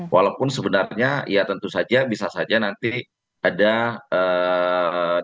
walaupun sebenarnya ya tentu saja bisa saja nanti ada